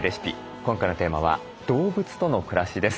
今回のテーマは「動物との暮らし」です。